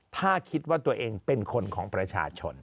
ถ้าคิดว่าตัวเองเป็นคนของประชาชน